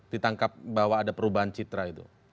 ditangkap bahwa ada perubahan citra itu